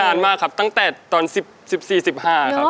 นานมากครับตั้งแต่ตอนสิบสี่สิบห้าครับ